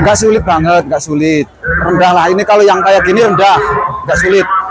nggak sulit banget nggak sulit rendah lah ini kalau yang kayak gini rendah nggak sulit